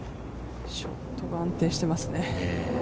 ショットが安定してますね。